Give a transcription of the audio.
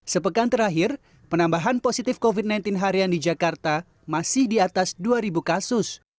sepekan terakhir penambahan positif covid sembilan belas harian di jakarta masih di atas dua kasus